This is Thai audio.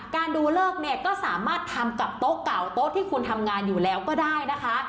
ดูเลิกเนี่ยก็สามารถทำกับโต๊ะเก่าโต๊ะที่คุณทำงานอยู่แล้วก็ได้นะคะ